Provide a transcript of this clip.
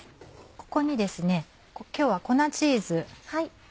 ここにですね今日は粉チーズ。